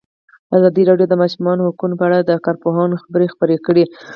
ازادي راډیو د د ماشومانو حقونه په اړه د کارپوهانو خبرې خپرې کړي.